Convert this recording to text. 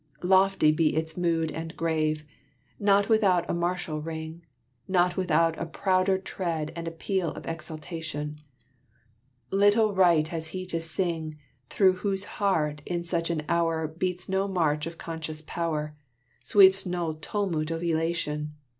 Lofty be its mood and grave, Not without a martial ring, Not without a prouder tread And a peal of exultation: Little right has he to sing Through whose heart in such an hour Beats no march of conscious power, Sweeps no tumult of elation!